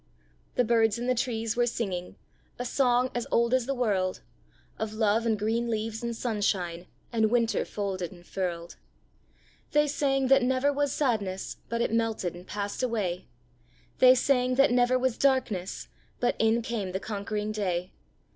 The birds in the trees were singing A song as old as the world, Of love and green leaves and sunshine, And winter folded and furled. They sang that never was sadness But it melted and passed away; They sang that never was darkness But in came the conquering day.